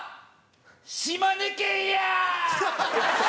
島根県やー！